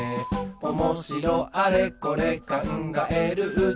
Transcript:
「おもしろあれこれかんがえるうちに」